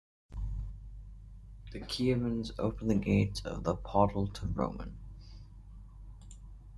The Kievans opened the gates of the "podol'" to Roman.